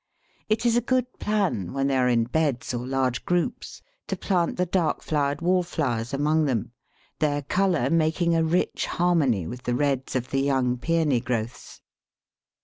It is a good plan, when they are in beds or large groups, to plant the dark flowered Wallflowers among them, their colour making a rich harmony with the reds of the young Pæony growths.